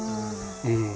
うん。